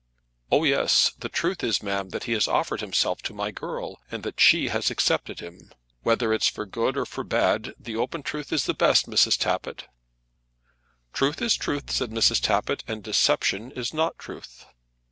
"Oh, yes. The truth is, ma'am, that he has offered himself to my girl, and that she has accepted him. Whether it's for good or for bad, the open truth is the best, Mrs. Tappitt." "Truth is truth," said Mrs. Tappitt; "and deception is not truth."